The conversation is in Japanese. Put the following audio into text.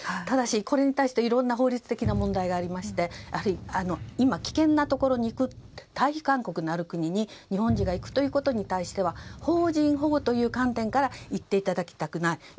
ただし、これに対していろんな法律的な問題があってやはり今、危険なところに行く退避勧告のある国に日本人が行くことに対しては邦人保護という観点から行っていただきたくない。